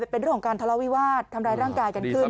เป็นเรื่องของการทะเลาวิวาสทำร้ายร่างกายกันขึ้น